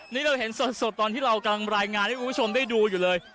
นี่เราเห็นสดตอนที่เรากำลังรายงานให้คุณผู้ชมได้ดูอยู่เลย